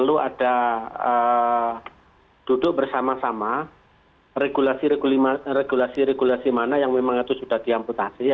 perlu ada duduk bersama sama regulasi regulasi mana yang memang itu sudah diamputasi